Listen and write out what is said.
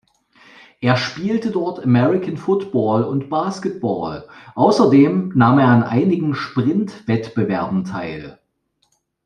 Er spielte dort American Football und Basketball, außerdem nahm er an einigen Sprint-Wettbewerben teil.